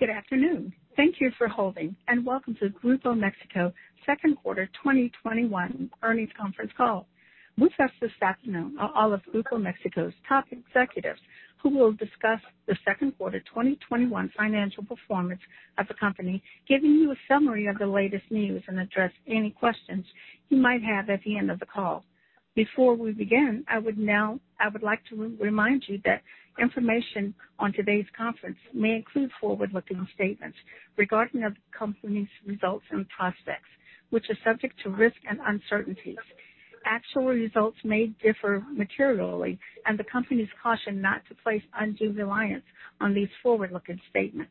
Good afternoon. Thank you for holding, and welcome to Grupo México second quarter 2021 earnings conference call. With us this afternoon are all of Grupo México's top executives, who will discuss the second quarter 2021 financial performance of the company, giving you a summary of the latest news, and address any questions you might have at the end of the call. Before we begin, I would like to remind you that information on today's conference may include forward-looking statements regarding the company's results and prospects, which are subject to risks and uncertainties. Actual results may differ materially, and the company cautions not to place undue reliance on these forward-looking statements.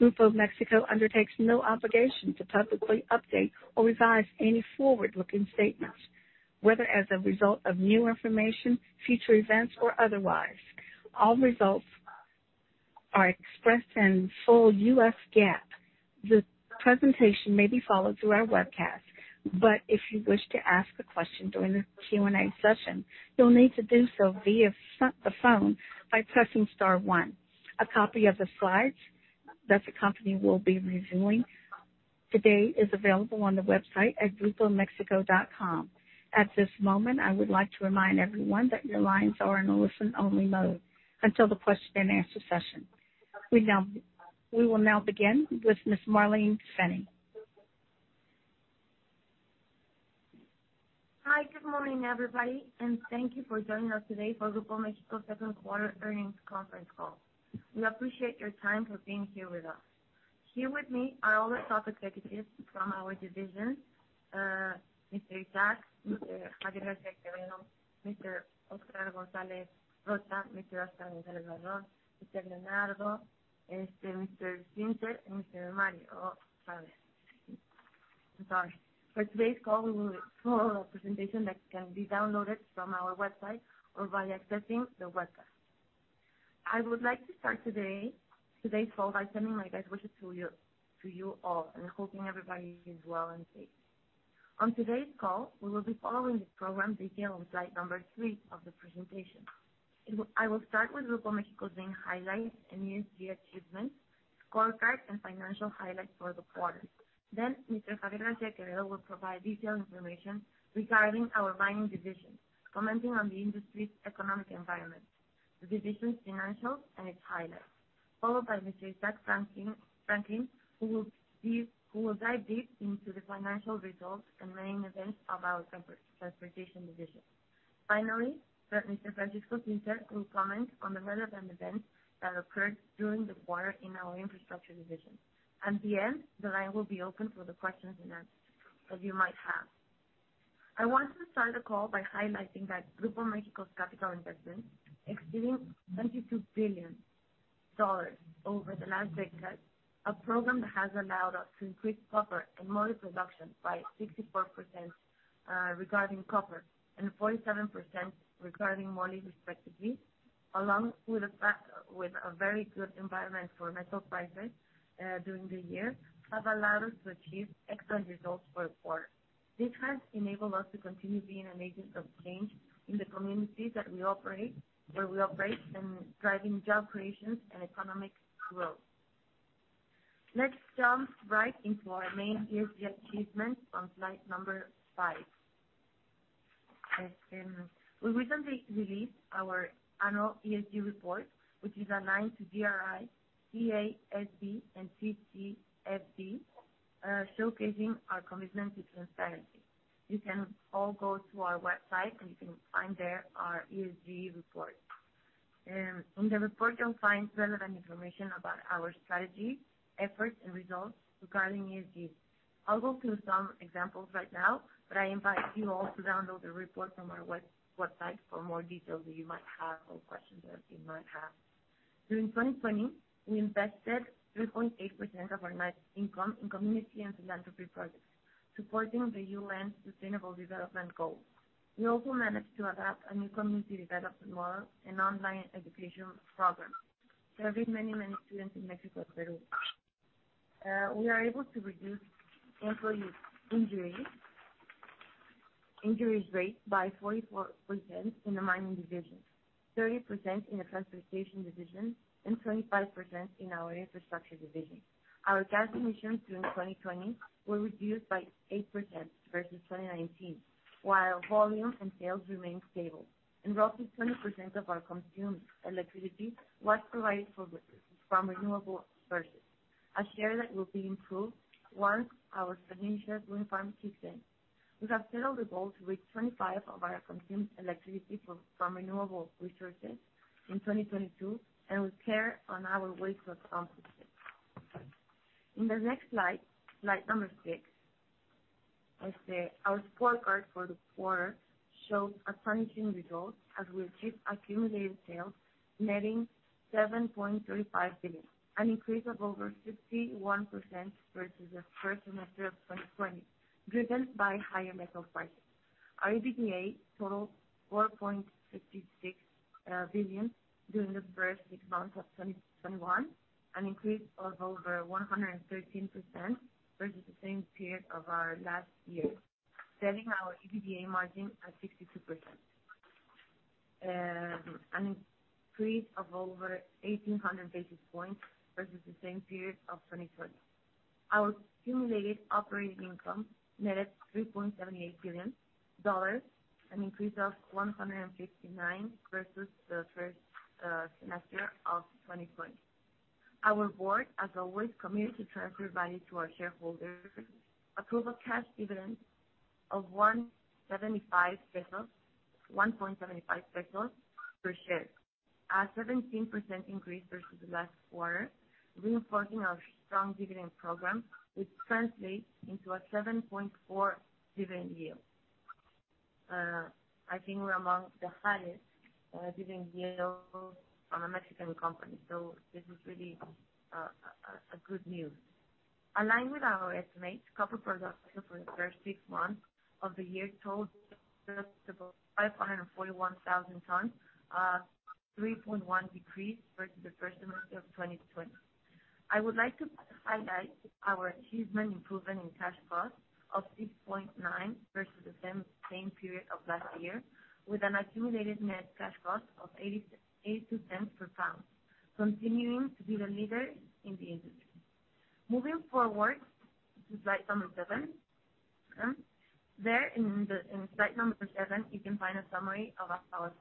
Grupo México undertakes no obligation to publicly update or revise any forward-looking statements, whether as a result of new information, future events, or otherwise. All results are expressed in full US GAAP. The presentation may be followed through our webcast. If you wish to ask a question during the Q&A session, you'll need to do so via the phone by pressing star one. A copy of the slides that the company will be reviewing today is available on the website at grupomexico.com. At this moment, I would like to remind everyone that your lines are in a listen-only mode until the question and answer session. We will now begin with Ms. Marlene Finny. Hi. Good morning, everybody, and thank you for joining us today for Grupo México's second quarter earnings conference call. We appreciate your time for being here with us. Here with me are all the top executives from our division, Mr. Isaac, Mr. Javier García Heredia, Mr. Óscar González Rocha, Mr. Oscar González Barrón, Mr. Leonardo, Mr. Zinser, and Mr. Mario Chávez. For today's call, we will follow a presentation that can be downloaded from our website or by accessing the webcast. I would like to start today's call by sending my best wishes to you all and hoping everybody is well and safe. On today's call, we will be following the program detailed on slide number three of the presentation. I will start with Grupo México's main highlights and ESG achievements, scorecard, and financial highlights for the quarter. Mr. Javier García Heredia will provide detailed information regarding our mining division, commenting on the industry's economic environment, the division's financials, and its highlights, followed by Mr. Isaac Franklin, who will dive deep into the financial results and main events of our transportation division. Mr. Francisco Zinser will comment on the relevant events that occurred during the quarter in our infrastructure division. The line will be open for the questions and answers that you might have. I want to start the call by highlighting that Grupo México's capital investments exceeded $22 billion over the last decade. A program that has allowed us to increase copper and moly production by 64%, regarding copper, and 47% regarding moly, respectively, along with a very good environment for metal prices during the year, have allowed us to achieve excellent results for the quarter. This has enabled us to continue being an agent of change in the communities that we operate, where we operate in driving job creations and economic growth. Let's jump right into our main ESG achievements on slide number five. We recently released our annual ESG report, which is aligned to GRI, SASB, and TCFD, showcasing our commitment to transparency. You can all go to our website, you can find there our ESG report. In the report, you'll find relevant information about our strategy, efforts, and results regarding ESG. I'll go through some examples right now. I invite you all to download the report from our website for more details that you might have or questions that you might have. During 2020, we invested 3.8% of our net income in community and philanthropy projects supporting the UN's sustainable development goals. We also managed to adapt a new community development model and online education program, serving many students in Mexico, Peru. We are able to reduce employee injuries rate by 44% in the mining division, 30% in the transportation division, and 25% in our infrastructure division. Our gas emissions during 2020 were reduced by 8% versus 2019, while volume and sales remained stable. Roughly 20% of our consumed electricity was provided from renewable sources, a share that will be improved once our Fenicias Wind Farm kicks in. We have set a goal to reach 25% of our consumed electricity from renewable resources in 2022, and we're clear on our way to accomplish this. In the next slide number six, our scorecard for the quarter shows astonishing results as we achieved accumulated sales netting $7.35 billion, an increase of over 51% versus the first semester of 2020, driven by higher metal prices. Our EBITDA totaled $4.56 billion during the first six months of 2021, an increase of over 113% versus the same period of our last year, setting our EBITDA margin at 62%. An increase of over 1,800 basis points versus the same period of 2020. Our accumulated operating income netted $3.78 billion, an increase of 159% versus the first semester of 2020. Our board, as always, committed to transfer value to our shareholders, approved a cash dividend of 1.75 pesos per share, a 17% increase versus last quarter, reinforcing our strong dividend program, which translates into a 7.4% dividend yield. I think we're among the highest dividend yield on a Mexican company. This is really good news. Aligned with our estimates, copper production for the first six months of the year totaled 541,000 tons, a 3.1% decrease versus the first semester of 2020. I would like to highlight our achievement improvement in cash cost of 6.9% versus the same period of last year, with an accumulated net` cash cost of $0.82 per pound, continuing to be the leader in the industry. Moving forward to slide number. There in slide number seven, you can find a summary of our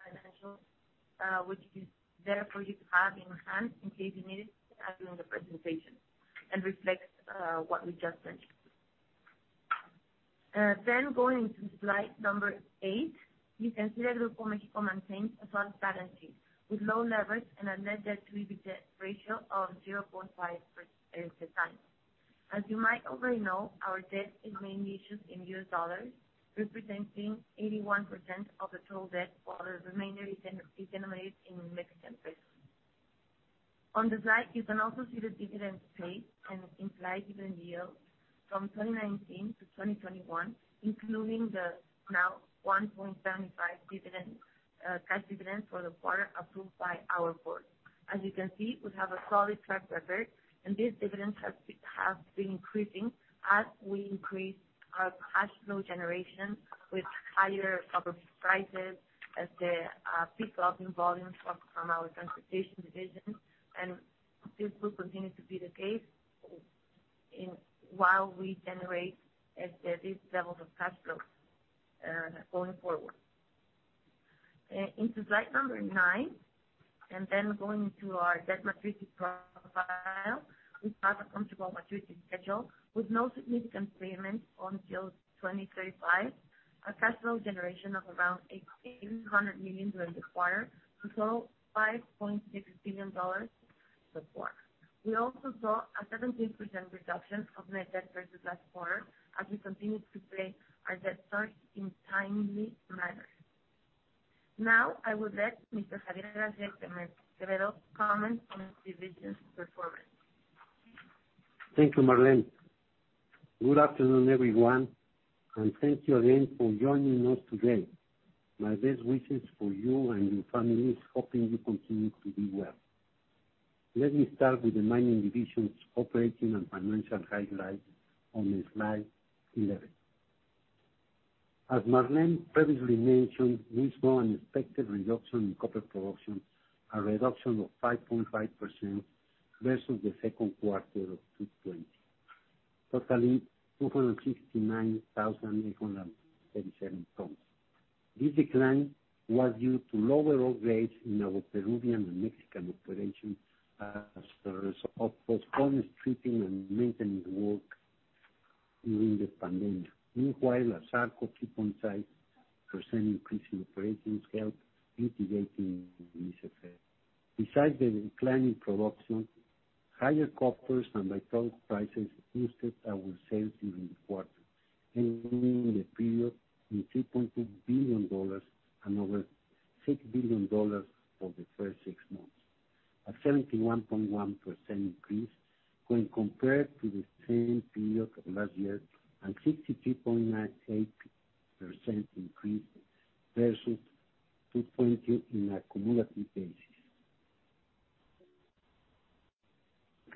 financials, which is there for you to have in hand in case you need it, as in the presentation, and reflects what we just mentioned. Going to slide number eight, you can see that Grupo México maintains a strong balance sheet with low leverage and a net debt-to-EBITDA ratio of 0.5 for the time. As you might already know, our debt is mainly issued in US dollars, representing 81% of the total debt, while the remainder is denominated in Mexican pesos. On the slide, you can also see the dividends paid and implied dividend yield from 2019 to 2021, including the now 1.75 cash dividend for the quarter approved by our board. As you can see, we have a solid track record, and these dividends have been increasing as we increase our cash flow generation with higher copper prices as they pick up in volume from our transportation division. This will continue to be the case while we generate these levels of cash flow going forward. Into slide number nine, then going into our debt maturity. We have a comfortable maturity schedule with no significant payments until 2035. A cash flow generation of around $1,800 million will be required to throw $5.6 billion so far. We also saw a 17% reduction of net debt versus last quarter as we continued to pay our debt service in a timely manner. Now, I will let Mr. Javier García Heredia comment on the division's performance. Thank you, Marlene. Good afternoon, everyone. Thank you again for joining us today. My best wishes for you and your families, hoping you continue to be well. Let me start with the mining division's operating and financial highlights on slide 11. As Marlene previously mentioned, we saw an expected reduction in copper production, a reduction of 5.5% versus the second quarter of 2020, totaling 269,837 tons. This decline was due to lower ore grades in our Peruvian and Mexican operations as a result of postponed stripping and maintenance work during the pandemic. Meanwhile, ASARCO keep on site, percent increase in operations helped mitigating this effect. Besides the decline in production, higher copper and byproduct prices boosted our sales during the quarter, ending the period with $3.2 billion and over $6 billion for the first six months, a 71.1% increase when compared to the same period of last year and 63.98% increase versus 2022 on a cumulative basis.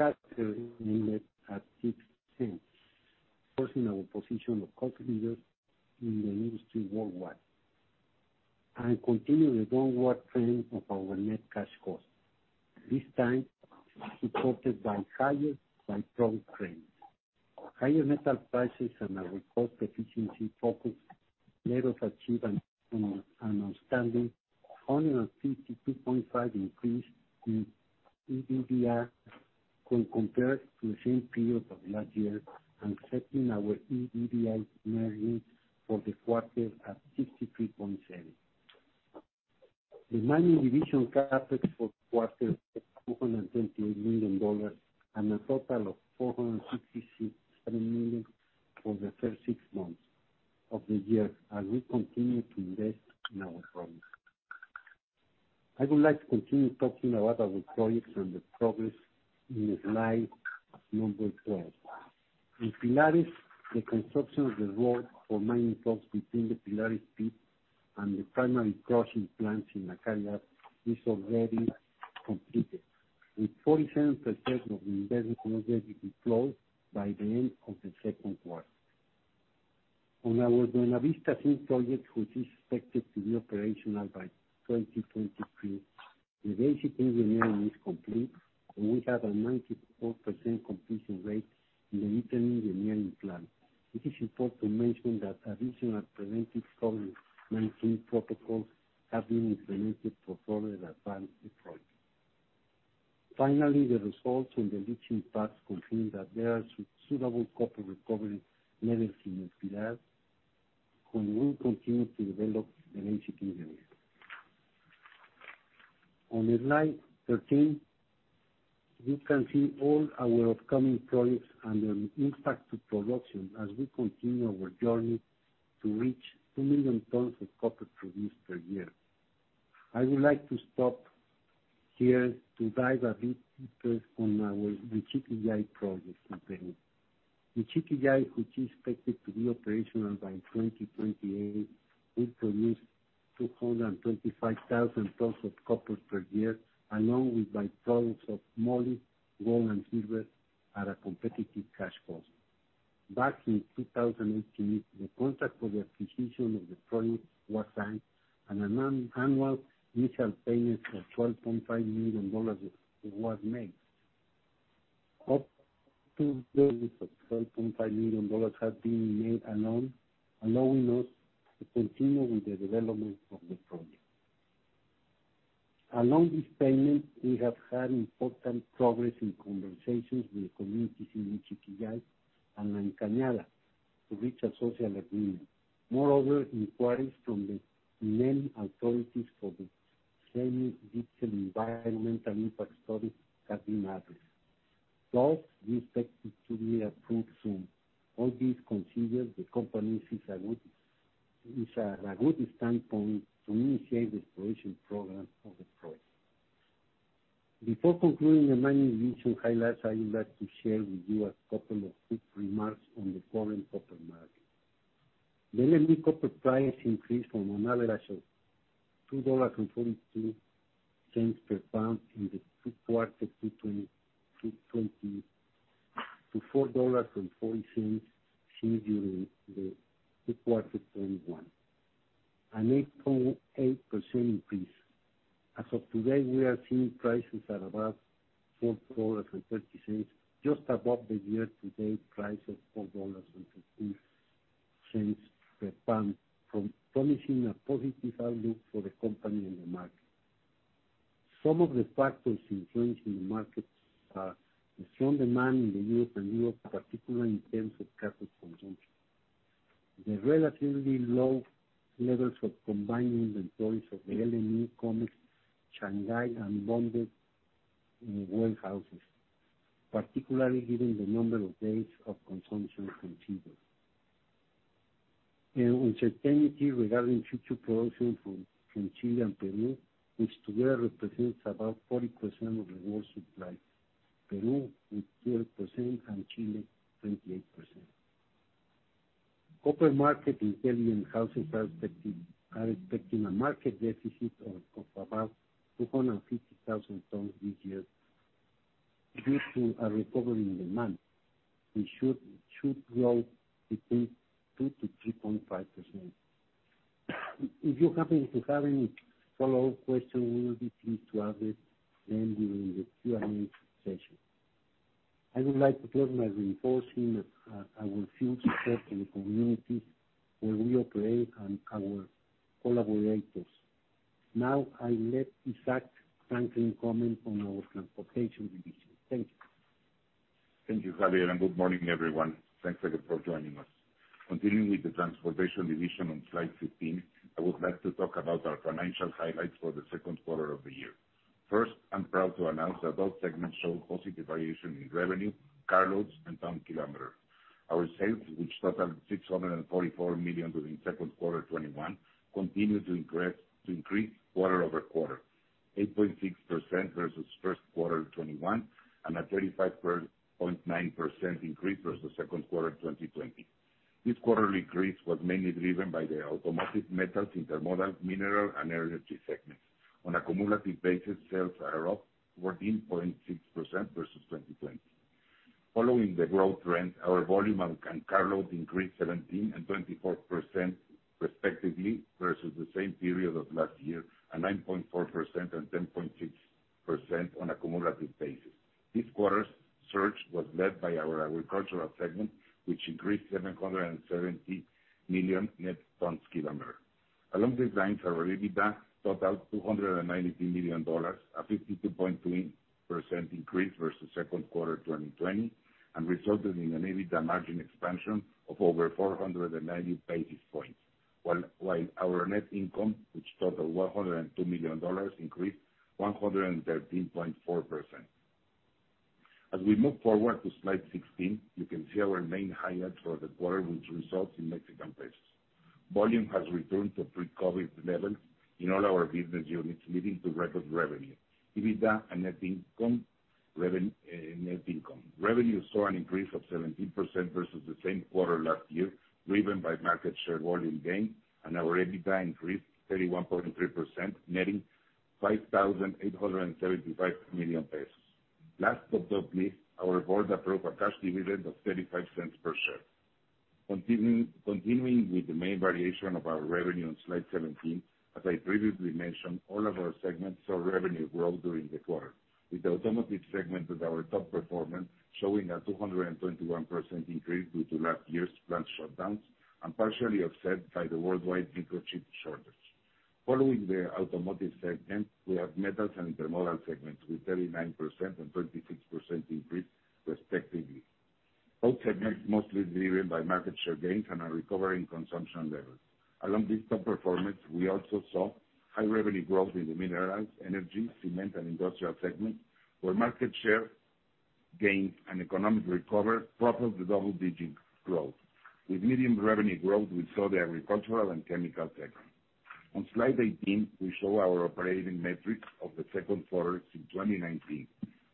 At $0.06, forcing our position of cost leader in the industry worldwide and continue the downward trend of our net cash cost, this time supported by higher byproduct grades. Higher metal prices and our cost efficiency focus let us achieve an outstanding 152.5% increase in EBITDA when compared to the same period of last year and setting our EBITDA margin for the quarter at 63.7%. The mining division CapEx for the quarter was $228 million and a total of $467 million for the first six months of the year, as we continue to invest in our projects. I would like to continue talking about our projects and the progress in slide number 12. In Pilares, the construction of the road for mining trucks between the Pilares pit and the primary crushing plants in La Caridad is already completed, with 47% of the investment already deployed by the end of the second quarter. On our Buena Vista Sur project, which is expected to be operational by 2023, the basic engineering is complete, and we have a 94% completion rate in the detailed engineering plan. It is important to mention that additional preventive COVID-19 protocols have been implemented to further advance the project. Finally, the results in the lithium plants confirm that there are suitable copper recovery levels in Espinar, and we will continue to develop the basic engineering. On slide 13, you can see all our upcoming projects and their impact to production as we continue our journey to reach two million tons of copper produced per year. I would like to stop here to dive a bit deeper on our Michiquillay project in Peru. Michiquillay, which is expected to be operational by 2028, will produce 225,000 tons of copper per year, along with byproducts of moly, gold, and silver at a competitive cash cost. Back in 2018, the contract for the acquisition of the project was signed, and an annual initial payment of $12.5 million was made. Up to date, $12.5 million have been made annual, allowing us to continue with the development of the project. Along these payments, we have had important progress in conversations with communities in Michiquillay and La Encañada to reach a social agreement. Moreover, inquiries from the main authorities for the semi-detail environmental impact study have been addressed. Plus, we expect it to be approved soon. All this considered, the company is at a good standpoint to initiate the exploration program of the project. Before concluding the mining division highlights, I would like to share with you a couple of quick remarks on the current copper market. The LME copper price increased from an average of $2.42 per pound in the two quarters to $4.40 seen during the [perfect] 21, an 8.8% increase. As of today, we are seeing prices at about $4.30, just above the year-to-date price of $4.15 per pound, promising a positive outlook for the company in the market. Some of the factors influencing the markets are the strong demand in the U.S. and Europe, particularly in terms of capital consumption. The relatively low levels of combining inventories of the LME, COMEX, Shanghai, and bonded warehouses, particularly given the number of days of consumption considered. The uncertainty regarding future production from Chile and Peru, which together represents about 40% of the world supply. Peru with 12% and Chile 28%. Copper market intelligence houses are expecting a market deficit of about 250,000 tons this year due to a recovery in demand, which should grow between 2%-3.5%. If you happen to have any follow-up questions, we will be pleased to address them during the Q&A session. I would like to close by reinforcing our huge support in the communities where we operate and our collaborators. Now, I will let Isaac Franklin comment on our transportation division. Thank you. Thank you, Javier, and good morning, everyone. Thanks again for joining us. Continuing with the Transportation Division on slide 15, I would like to talk about our financial highlights for the second quarter of the year. First, I'm proud to announce that both segments show positive variation in revenue, car loads, and ton kilometer. Our sales, which totaled $644 million within second quarter 2021, continue to increase quarter-over-quarter, 8.6% versus first quarter 2021, and a 35.9% increase versus second quarter 2020. This quarterly increase was mainly driven by the automotive, metals, intermodal, mineral, and energy segments. On a cumulative basis, sales are up 14.6% versus 2020. Following the growth trend, our volume and load increased 17% and 24% respectively versus the same period of last year, and 9.4% and 10.6% on a cumulative basis. This quarter's surge was led by our agricultural segment, which increased 770 million net ton kilometer. Along these lines, our EBITDA totaled $293 million, a 52.3% increase versus second quarter 2020, and resulted in an EBITDA margin expansion of over 490 basis points. While our net income, which totaled $102 million, increased 113.4%. As we move forward to slide 16, you can see our main highlights for the quarter, which results in Mexican pesos. Volume has returned to pre-COVID levels in all our business units, leading to record revenue, EBITDA, and net income. Revenue saw an increase of 17% versus the same quarter last year, driven by market share volume gain, and our EBITDA increased 31.3%, netting $5,875 million. Last but not least, our board approved a cash dividend of $0.35 per share. Continuing with the main variation of our revenue on slide 17, as I previously mentioned, all of our segments saw revenue growth during the quarter, with the automotive segment as our top performer, showing a 221% increase due to last year's plant shutdowns and partially offset by the worldwide microchip shortage. Following the automotive segment, we have metals and intermodal segments with 39% and 36% increase respectively. Both segments mostly driven by market share gains and a recovery in consumption levels. Along this top performance, we also saw high revenue growth in the minerals, energy, cement, and industrial segments, where market share gains and economic recovery drove the double-digit growth. With medium revenue growth, we saw the agricultural and chemical segment. On slide 18, we show our operating metrics of the second quarter in 2019.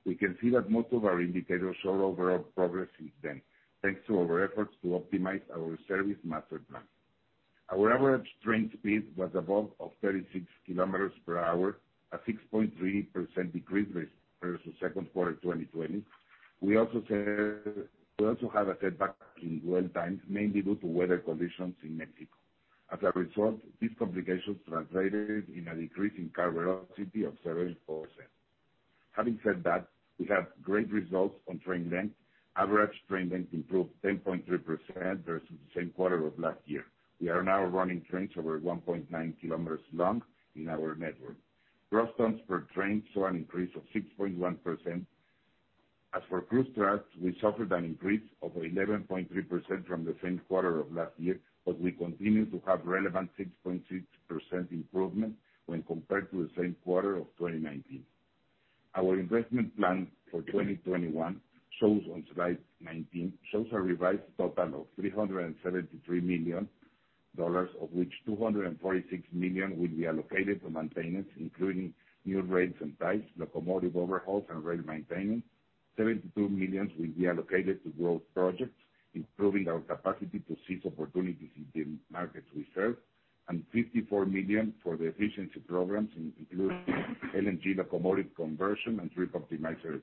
We can see that most of our indicators show overall progress since then, thanks to our efforts to optimize our service master plan. Our average train speed was above of 36 km per hour, a 6.3% decrease versus second quarter 2020. We also have a setback in dwell times, mainly due to weather conditions in Mexico. As a result, this complication translated in a decrease in car velocity of 7%. Having said that, we have great results on train length. Average train length improved 10.3% versus the same quarter of last year. We are now running trains over 1.9 km long in our network. Gross tons per train saw an increase of 6.1%. As for crew traps, we suffered an increase of 11.3% from the same quarter of last year, we continue to have relevant 6.6% improvement when compared to the same quarter of 2019. Our investment plan for 2021, shown on slide 19, shows a revised total of $373 million, of which $246 million will be allocated to maintenance, including new rails and ties, locomotive overhauls, and rail maintenance.$72 million will be allocated to growth projects, improving our capacity to seize opportunities in the markets we serve, and $54 million for the efficiency programs, including LNG locomotive conversion and Trip Optimizer.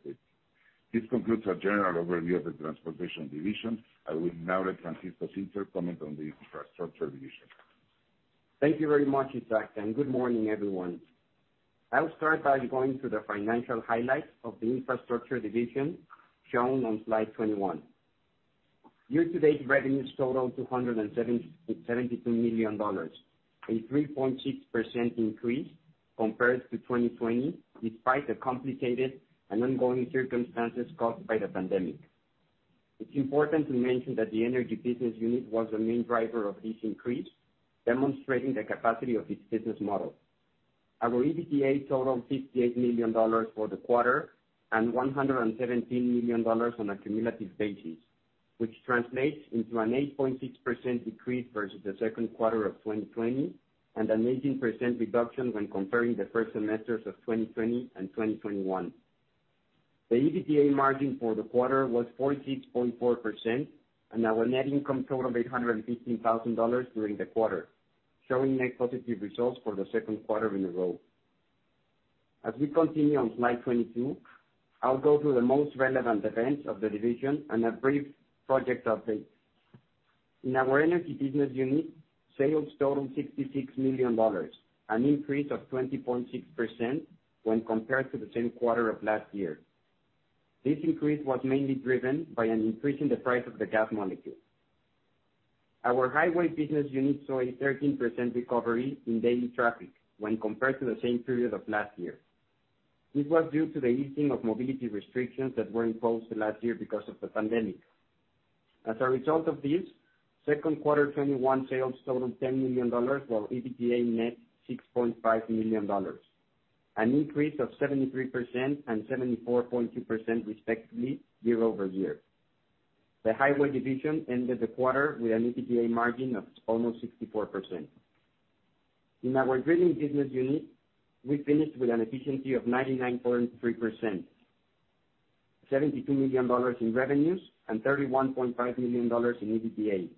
This concludes our general overview of the Transportation division. I will now let Francisco Zinser comment on the Infrastructure division. Thank you very much, Isaac. Good morning, everyone. I'll start by going through the financial highlights of the Infrastructure Division shown on slide 21. Year-to-date revenues total $272 million, a 3.6% increase compared to 2020, despite the complicated and ongoing circumstances caused by the pandemic. It's important to mention that the energy business unit was the main driver of this increase, demonstrating the capacity of its business model. Our EBITDA totaled $58 million for the quarter and $117 million on a cumulative basis, which translates into an 8.6% decrease versus the second quarter of 2020 and an 18% reduction when comparing the first semesters of 2020 and 2021. The EBITDA margin for the quarter was 46.4%. Our net income totaled $815,000 during the quarter, showing net positive results for the second quarter in a row. As we continue on slide 22, I will go through the most relevant events of the division and a brief project update. In our Energy Business Unit, sales totaled $66 million, an increase of 20.6% when compared to the same quarter of last year. This increase was mainly driven by an increase in the price of the gas molecule. Our Highway Business Unit saw a 13% recovery in daily traffic when compared to the same period of last year. This was due to the easing of mobility restrictions that were imposed last year because of the pandemic. As a result of this, second quarter 2021 sales totaled $10 million, while EBITDA net $6.5 million. An increase of 73% and 74.2% respectively year-over-year. The Highway Division ended the quarter with an EBITDA margin of almost 64%. In our drilling business unit, we finished with an efficiency of 99.3%, $72 million in revenues, and $31.5 million in EBITDA,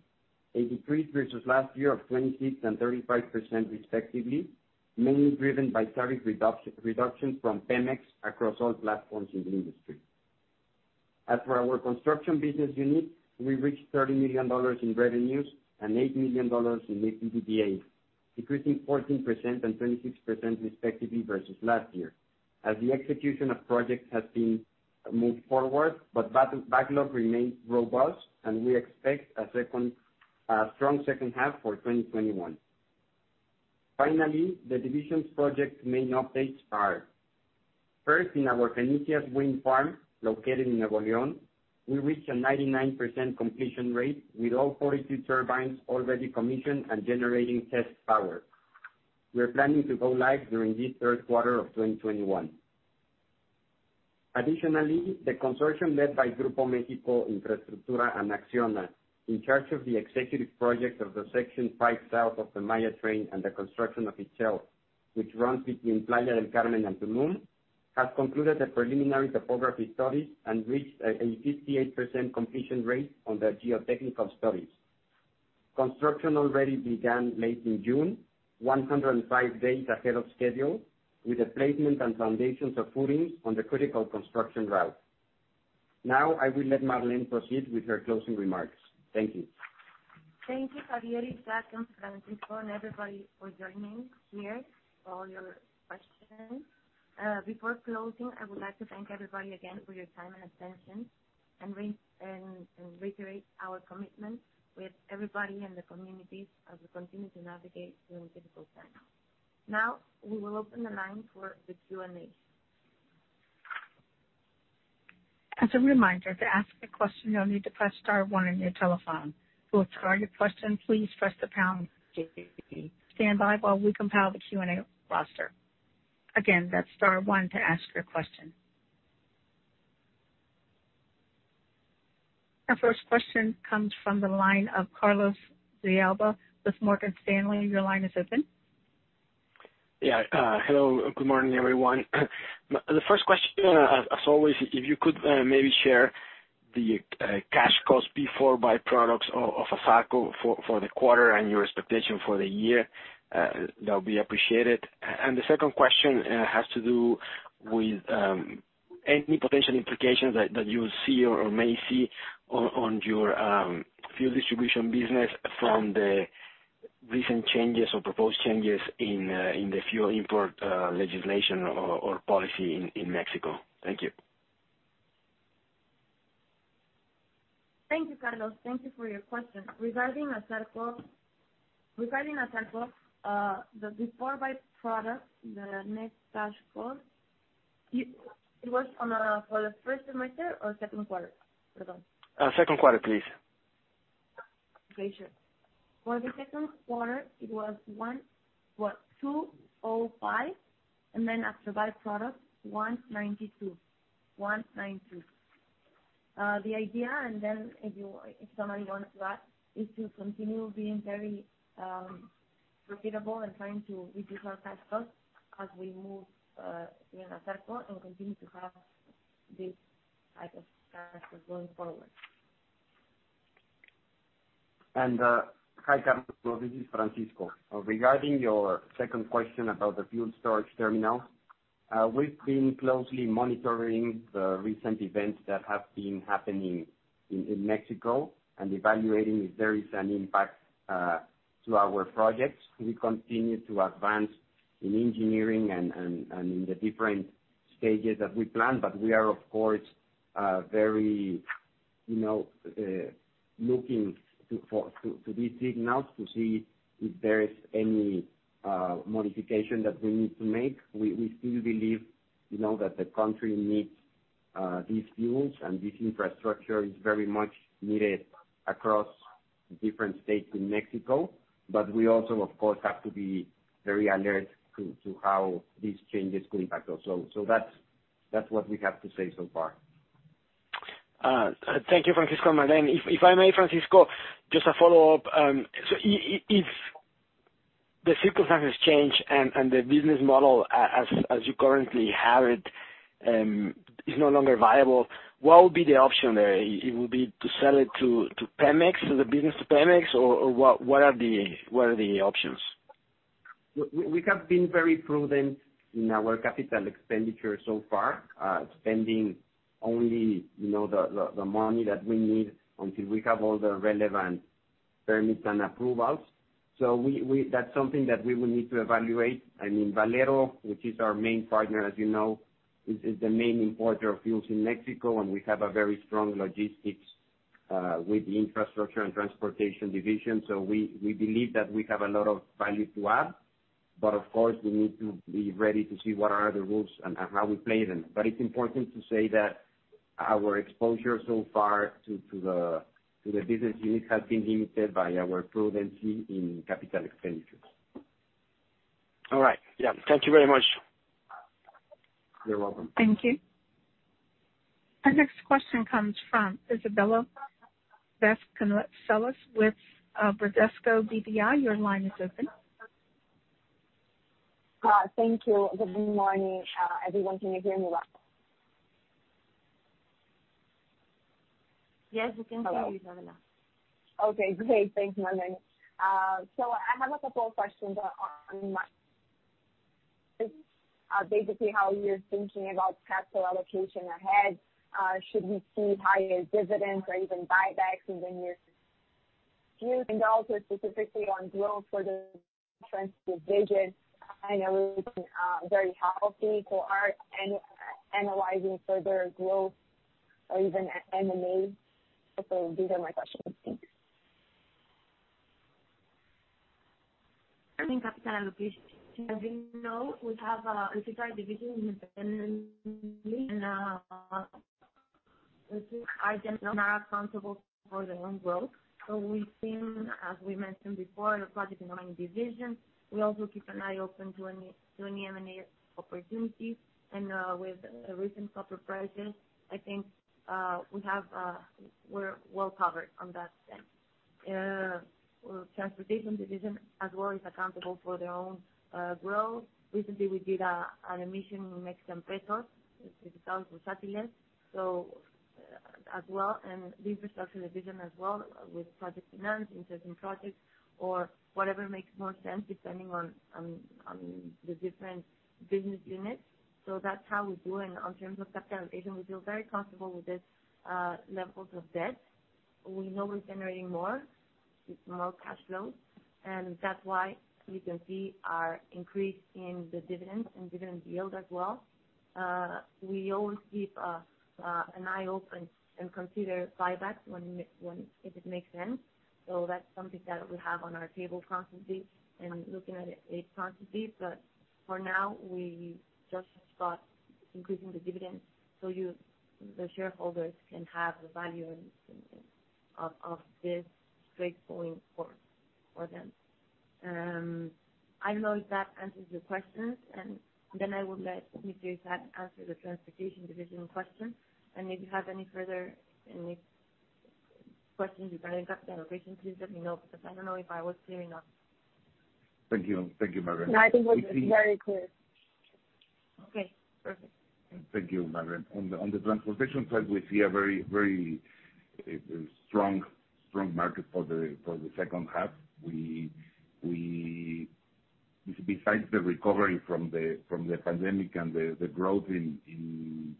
a decrease versus last year of 26% and 35% respectively, mainly driven by tariff reduction from Pemex across all platforms in the industry. As for our construction business unit, we reached $30 million in revenues and $8 million in EBITDA, decreasing 14% and 26% respectively versus last year. As the execution of projects has been moved forward, but backlog remains robust and we expect a strong second half for 2021. Finally, the divisions project main updates are: First in our Fenicias Wind Farm, located in Nuevo León, we reached a 99% completion rate with all 42 turbines already commissioned and generating test power. We are planning to go live during this third quarter of 2021. Additionally, the consortium led by Grupo México Infraestructura and Acciona, in charge of the executive project of the Section 5 south of the Tren Maya and the construction of itself, which runs between Playa del Carmen and Tulum, has concluded the preliminary topography studies and reached a 58% completion rate on the geotechnical studies. Construction already began late in June, 105 days ahead of schedule, with the placement and foundations of footings on the critical construction route. Now, I will let Marlene proceed with her closing remarks. Thank you. Thank you, Javier, Isacc, and Francisco, and everybody for joining here, for all your questions. Before closing, I would like to thank everybody again for your time and attention, and reiterate our commitment with everybody in the communities as we continue to navigate through a difficult time. Now, we will open the line for the Q&A. As a reminder, to ask a question, you'll need to press star one on your telephone. To withdraw your question, please press the pound key. Stand by while we compile the Q&A roster. Again, that's star one to ask your question. Our first question comes from the line of Carlos de Alba with Morgan Stanley. Your line is open. Hello, good morning, everyone. The first question, as always, if you could maybe share the cash cost before byproducts of ASARCO for the quarter and your expectation for the year, that would be appreciated. The second question has to do with any potential implications that you see or may see on your field distribution business from the recent changes or proposed changes in the fuel import legislation or policy in Mexico. Thank you. Thank you, Carlos. Thank you for your question. Regarding ASARCO, the before byproduct, the net cash cost, it was for the first semester or second quarter? Pardon. Second quarter, please. Okay, sure. For the second quarter, it was $205, and then after byproduct, $192. The idea, and then if somebody wants to add, is to continue being very profitable and trying to reduce our cash costs as we move in ASARCO and continue to have this type of cash flow going forward. Hi, Carlos, this is Francisco. Regarding your second question about the fuel storage terminal. We've been closely monitoring the recent events that have been happening in Mexico and evaluating if there is an impact to our projects. We continue to advance in engineering and in the different stages that we planned. We are, of course, very looking to these signals to see if there is any modification that we need to make. We still believe that the country needs these fuels, and this infrastructure is very much needed across different states in Mexico. We also, of course, have to be very alert to how these changes could impact us. That's what we have to say so far. Thank you, Francisco. Marlene, if I may, Francisco, just a follow-up. If the circumstances change and the business model, as you currently have it, is no longer viable, what would be the option there? It would be to sell it to Pemex? The business to Pemex, or what are the options? We have been very prudent in our capital expenditure so far, spending only the money that we need until we have all the relevant permits and approvals. That's something that we will need to evaluate. Valero, which is our main partner, as you know, is the main importer of fuels in Mexico, and we have a very strong logistics with the Infrastructure and Transportation Division. We believe that we have a lot of value to add. Of course, we need to be ready to see what are the rules and how we play them. It's important to say that our exposure so far to the business unit has been limited by our prudence in capital expenditures. All right. Yeah. Thank you very much. You're welcome. Thank you. Our next question comes from Isabella Vasconcelos with Bradesco BBI. Your line is open. Thank you. Good morning, everyone. Can you hear me well? Yes, we can hear you, Isabella. Okay, great. Thanks, Marlene. I have a couple questions. Basically, how you're thinking about capital allocation ahead. Should we see higher dividends or even buybacks specifically on growth for the division? I know it's been very healthy for our analyzing further growth or even M&A. These are my questions. Thanks. As you know, we have a division independently, are now accountable for their own growth. We've seen, as we mentioned before, the project and Mining Division. We also keep an eye open to any M&A opportunities. With the recent copper prices, I think we're well covered on that front. Transportation Division, as well, is accountable for their own growth. Recently, we did an emission in Mexican Peso. It's account for Satellites. As well, and the Infrastructure Division as well, with project finance in certain projects or whatever makes more sense depending on the different business units. That's how we do. In terms of capitalization, we feel very comfortable with these levels of debt. We know we're generating more, with more cash flow, that's why you can see our increase in the dividends and dividend yield as well. We always keep an eye open and consider buybacks if it makes sense. That's something that we have on our table constantly and looking at it constantly. For now, we just thought increasing the dividend so the shareholders can have the value of this straightforward for them. I don't know if that answers your questions. I will let Mr. Isaac answer the transportation division question. If you have any further questions regarding capitalization, please let me know, because I don't know if I was clear enough. Thank you, Marlene Finny. No, I think it was very clear. Okay, perfect. Thank you, Marlene Finny. On the transportation side, we see a very strong market for the second half. Besides the recovery from the pandemic and the growth in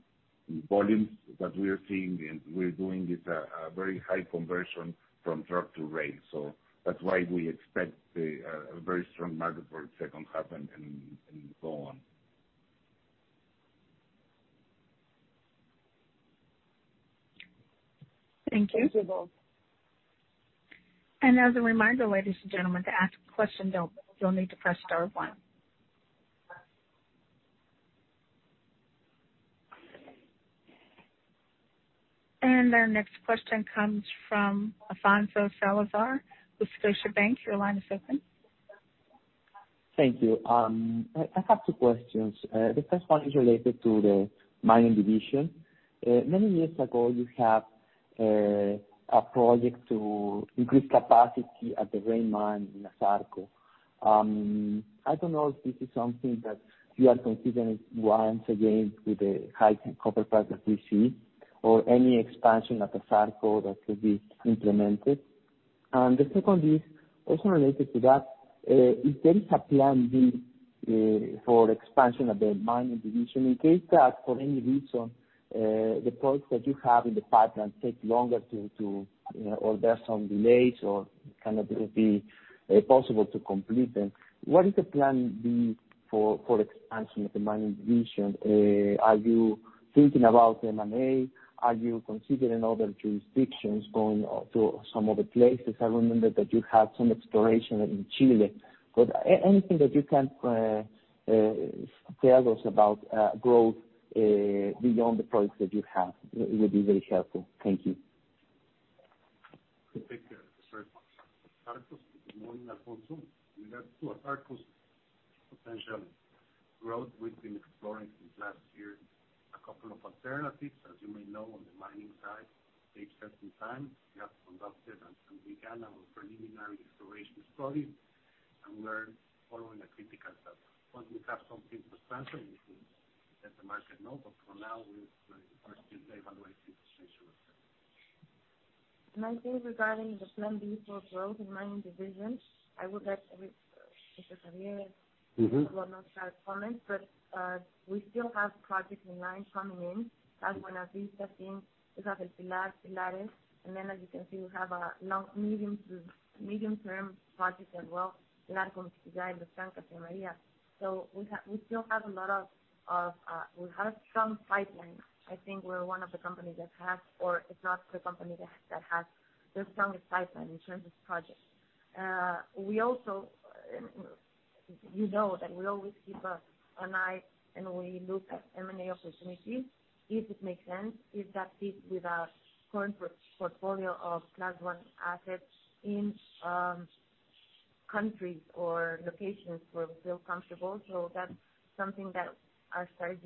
volumes that we are seeing, and we're doing, is a very high conversion from truck to rail. That's why we expect a very strong market for the second half and so on. Thank you. Thank you both. As a reminder, ladies and gentlemen, to ask a question, you'll need to press star one. Our next question comes from Alfonso Salazar with Scotiabank. Your line is open. Thank you. I have two questions. The first one is related to the mining division. Many years ago, you have a project to increase capacity at the Ray Mine in ASARCO. I don't know if this is something that you are considering once again with the high copper price that we see or any expansion at ASARCO that could be implemented. The second is also related to that. If there is a plan B for expansion of the mining division in case that, for any reason, the projects that you have in the pipeline take longer or there's some delays or cannot be possible to complete them, what is the plan B for expansion of the mining division? Are you thinking about M&A? Are you considering other jurisdictions, going to some other places? I remember that you had some exploration in Chile. Anything that you can tell us about growth beyond the projects that you have would be very helpful. Thank you. Thank you. Good morning, Alfonso. Regarding ASARCO's potential growth, we've been exploring since last year a couple of alternatives. As you may know, on the mining side, it takes us some time. We have conducted and began a preliminary exploration study, and we're following a critical step. Once we have something substantial, we will let the market know. For now, we are still evaluating the situation with ASARCO. I think regarding the plan B for growth in Mining Division, I would let Mr. Javier García Heredia comment. We still have projects in line coming in, like Guanacevi, Pilares. Then, as you can see, we have medium-term projects as well, El Arco, Islay, and Tía María. We have a strong pipeline. I think we're one of the companies that has, or if not the company that has the strongest pipeline in terms of projects. You know that we always keep an eye and we look at M&A opportunities if it makes sense, if that fits with our current portfolio of class 1one assets in countries or locations where we feel comfortable. That's something that I started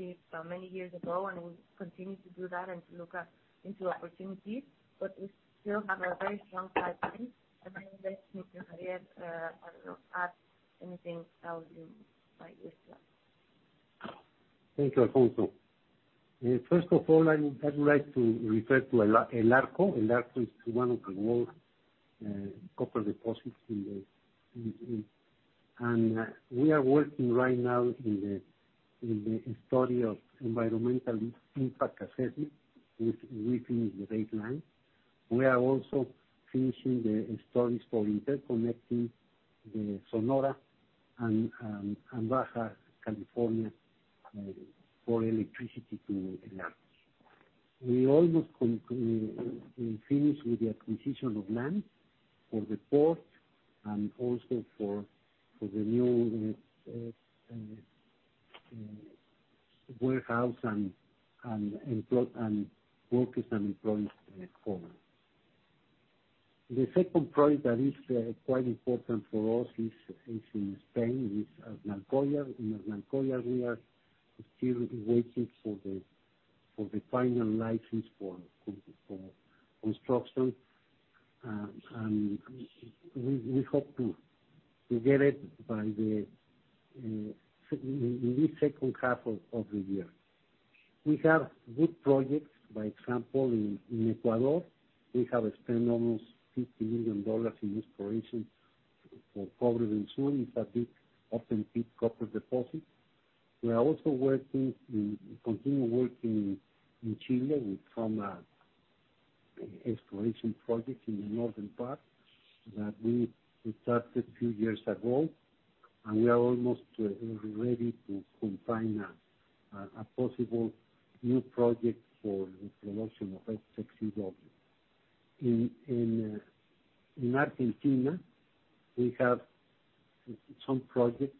many years ago, and we continue to do that and to look into opportunities. We still have a very strong pipeline. I invite Mr. Javier Garcia to add anything that would be by this slide. Thank you, Alfonso. First of all, I would like to refer to El Arco. El Arco is one of the world's copper deposits. We are working right now on the study of environmental impact assessment, within the baseline. We are also finishing the studies for interconnecting the Sonora and Baja California for electricity to El Arco. We almost finished with the acquisition of land for the port and also for the new warehouse and workers and employees to perform. The second project that is quite important for us is in Spain, with Aznalcóllar. In Aznalcóllar, we are still waiting for the final license for construction. We hope to get it by the second half of the year. We have good projects. For example, in Ecuador, we have spent almost $50 million in exploration for copper, and soon it is a big open pit copper deposit. We are also continue working in Chile with some exploration projects in the northern part that we started a few years ago, and we are almost ready to confine a possible new project for the exploration of leaching. In Argentina, we have some projects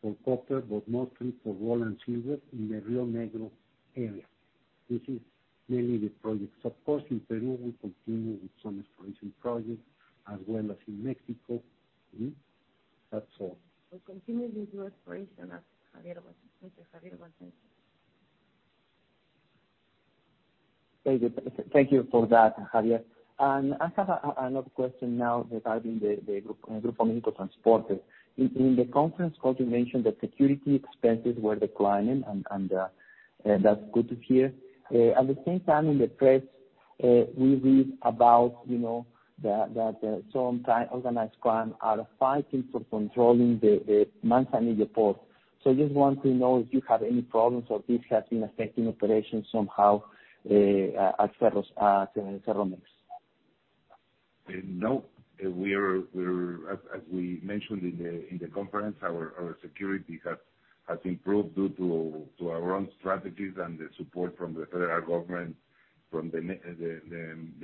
for copper, but mostly for gold and silver in the Río Negro area. This is mainly the projects. Of course, in Peru, we continue with some exploration projects, as well as in Mexico. That's all. We're continuing to exploration as Javier was saying. Thank you for that, Javier. I have another question now regarding the Grupo México Transportes. In the conference call, you mentioned that security expenses were declining, and that's good to hear. At the same time, in the press, we read about that some organized crime are fighting for controlling the Manzanillo port. Just want to know if you have any problems or this has been affecting operations somehow at Ferromex. No. As we mentioned in the conference, our security has improved due to our own strategies and the support from the federal government, from the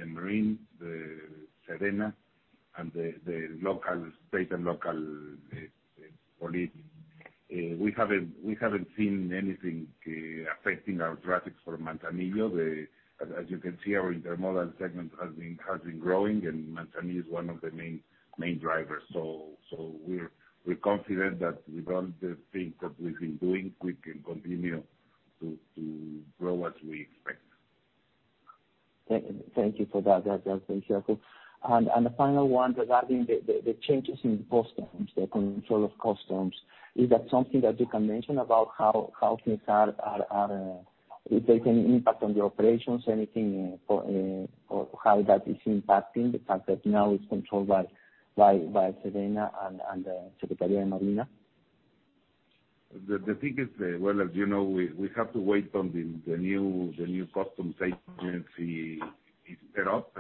Marine, the SEMARNAT, and the state and local police. We haven't seen anything affecting our traffic for Manzanillo. As you can see, our intermodal segment has been growing, and Manzanillo is one of the main drivers. We're confident that with all the things that we've been doing, we can continue to grow as we expect. Thank you for that. The final one regarding the changes in customs, the control of customs. Is that something that you can mention about how things are, if they can impact on the operations, anything for how that is impacting the fact that now it's controlled by SEMARNAT and Secretaría de Marina? The thing is, well, as you know, we have to wait on the new customs agency is set up.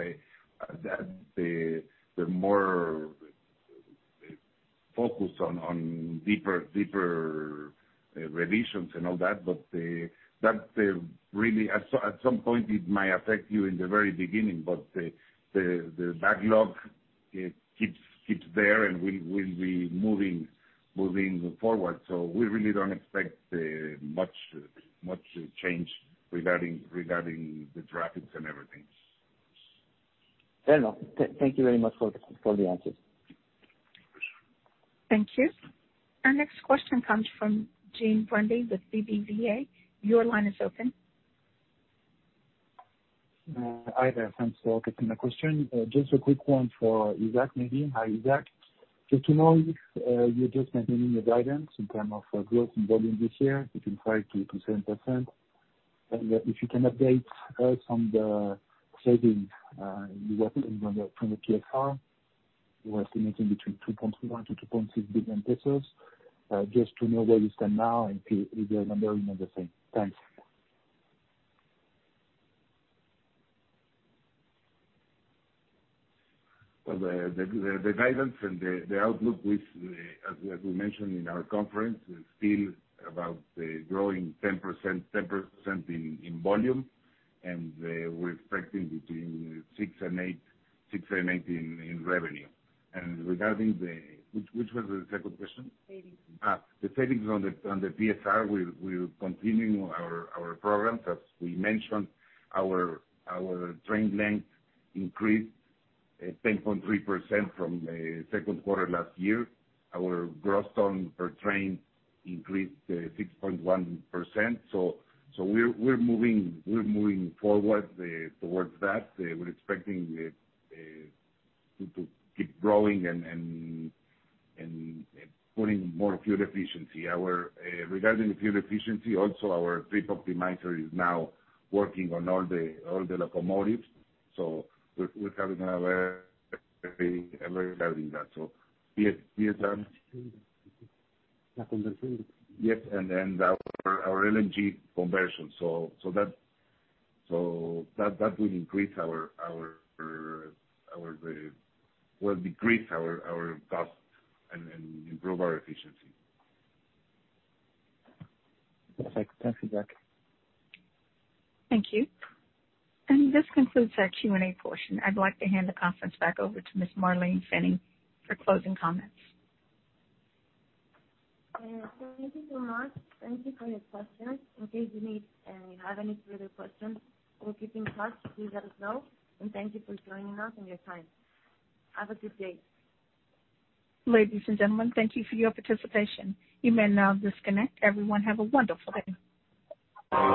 They're more focused on deeper revisions and all that, but at some point it might affect you in the very beginning, but the backlog keeps there, and we'll be moving forward. We really don't expect much change regarding the traffic and everything. Fair enough. Thank you very much for the answers. Thank you. Our next question comes from Jean Baptiste Bruny with BBVA. Your line is open. Hi there. Thanks for taking my question. Just a quick one for Isaac maybe. Hi, Isaac. Just to know if you're just maintaining your guidance in term of growth in volume this year between 5%-7%. If you can update us on the savings you were thinking from the PSR. You were estimating between 2.1 - 2.6 billion. Just to know where you stand now and if the number remain the same. Thanks. Well, the guidance and the outlook, as we mentioned in our conference, is still about growing 10% in volume, and we're expecting between 6% and 8% in revenue. Regarding the-- Which was the second question? Savings. The savings on the PSR, we're continuing our programs. As we mentioned, our train length increased 10.3% from second quarter last year. Our gross ton per train increased 6.1%. We're moving forward towards that. We're expecting to keep growing and putting more fuel efficiency. Regarding fuel efficiency, also our Trip Optimizer is now working on all the locomotives. PSR. Yes, and our LNG conversion. That will decrease our cost and improve our efficiency. Perfect. Thank you, Isaac. Thank you. This concludes our Q&A portion. I'd like to hand the conference back over to Ms. Marlene Finny for closing comments. Thank you very much. Thank you for your questions. In case you have any further questions or keeping touch, please let us know. Thank you for joining us and your time. Have a good day. Ladies and gentlemen, thank you for your participation. You may now disconnect. Everyone have a wonderful day.